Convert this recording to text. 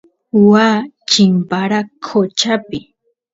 waa chimpara qochapi